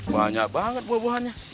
banyak banget buah buahnya